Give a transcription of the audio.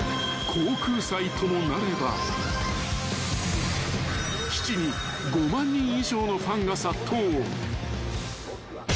［航空祭ともなれば基地に５万人以上のファンが殺到］